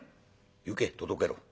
行け届けろ。